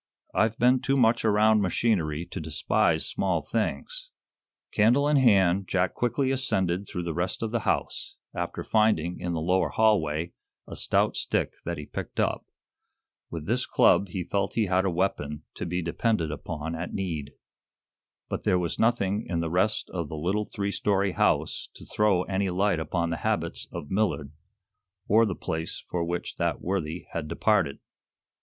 "I've been too much around machinery to despise small things." Candle in hand, Jack quickly ascended through the rest of the house, after finding, in the lower hallway, a stout stick that he picked up. With this club he felt he had a weapon to be depended upon at need. But there was nothing in the rest of the little three story house to throw any light upon the habits of Millard, or the place for which that worthy had departed.